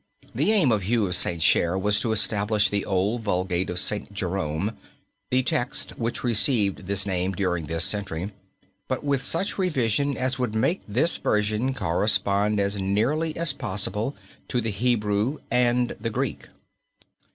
The aim of Hugh of St. Cher was to establish the old Vulgate of St. Jerome, the text which received this name during this century, but with such revision as would make this version correspond as nearly as possible to the Hebrew and the Greek.